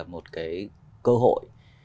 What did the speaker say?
một cái cơ hội